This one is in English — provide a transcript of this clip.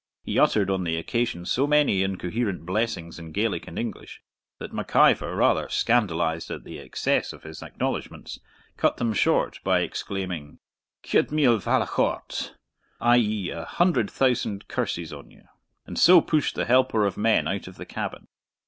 He uttered on the occasion so many incoherent blessings in Gaelic and English that Mac Ivor, rather scandalised at the excess of his acknowledgments, cut them short by exclaiming, Ceud mile mhalloich ort! i.e. 'A hundred thousand curses on you!' and so pushed the helper of men out of the cabin.